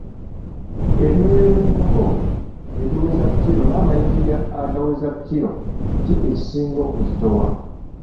Ebyoya by'enkoko ebiweza kiro n'amayinja agaweza kiro ki ekisinga okuzitowa?